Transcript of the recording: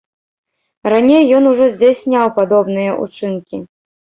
Раней ён ужо здзяйсняў падобныя ўчынкі.